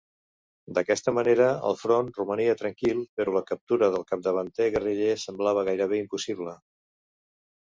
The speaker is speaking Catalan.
D'aquesta manera, el front romania tranquil, però la captura del capdavanter guerriller semblava gairebé impossible.